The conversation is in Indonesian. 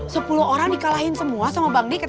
sepuluh orang dikalahin semua sama bang d